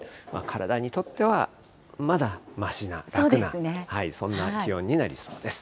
体にとっては、まだましな、楽な、そんな気温になりそうです。